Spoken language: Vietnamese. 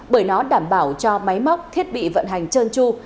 bởi nó đảm bảo cho máy móc thiết bị vận hành chân chu